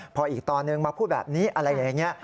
พออีกตอนนึงมาพูดแบบนี้อะไรอย่างนี้